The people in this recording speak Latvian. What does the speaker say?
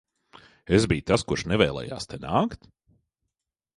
Es biju tas, kurš nevēlējās te nākt?